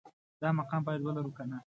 دا مقام باید ولرو که نه